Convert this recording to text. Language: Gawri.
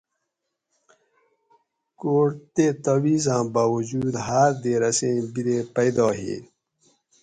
کوڑ تے تاویزاۤں باوجود ھاۤر دیر اسیں بِرے پیدا ہی